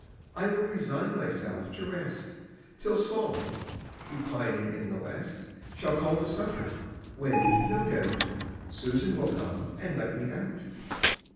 I will resign myself to rest Till Sol, declining in the west, Shall call to supper, when, no doubt, Susan will come and let me out."